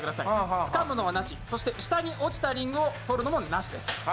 つかむのはなし、下に落ちたリングをとるのもなしです。